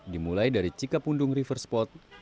dimulai dari cikapundung river spot